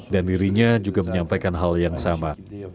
dan dirinya juga menyampaikan hal yang sama